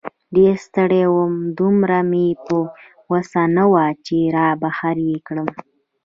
ډېر ستړی وم، دومره مې په وسه نه وه چې را بهر یې کړم.